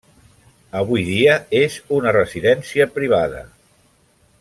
Avui dia és una residència privada.